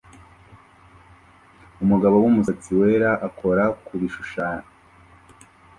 Umugabo wumusatsi wera akora kubishusho